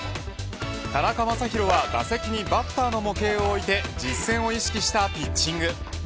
田中将大は打席にバッターの模型を置いて実戦を意識したピッチング。